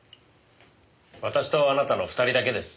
私とあなたの２人だけです。